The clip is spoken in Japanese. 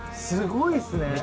すごいっすね。